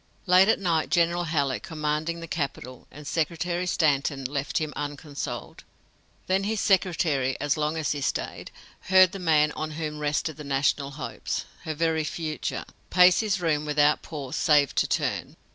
Late at night General Halleck, commanding the capital, and Secretary Stanton left him unconsoled. Then his secretary, as long as he stayed, heard the man on whom rested the national hopes her very future pace his room without pause save to turn.